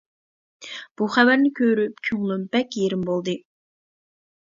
بۇ خەۋەرنى كۆرۈپ كۆڭلۈم بەك يېرىم بولدى.